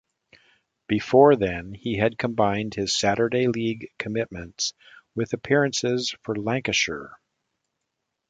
Before then he had combined his Saturday league commitments with appearances for Lancashire.